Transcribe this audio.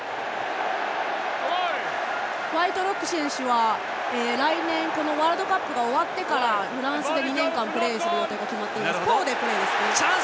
ホワイトロック選手は来年、ワールドカップが終わってからフランスで２年間プレーする予定が決まっています。